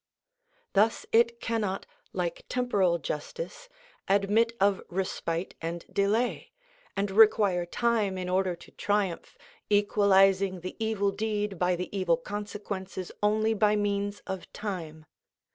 Thus it cannot, like temporal justice, admit of respite and delay, and require time in order to triumph, equalising the evil deed by the evil consequences only by means of time.